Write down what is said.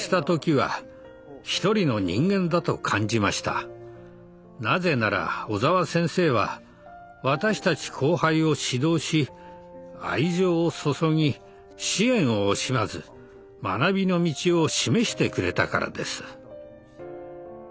あの時なぜなら小澤先生は私たち後輩を指導し愛情を注ぎ支援を惜しまず学びの道を示してくれたからです。